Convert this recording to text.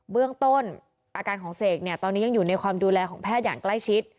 เบื้องต้นอาการของเสกเนี่ยตอนนี้ยังอยู่ในความดูแลของแพทย์อย่างใกล้ชิด